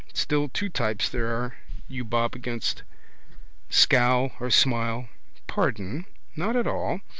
Still two types there are you bob against. Scowl or smile. Pardon! Not at all.